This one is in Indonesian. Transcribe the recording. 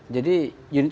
jadi apa yang reloj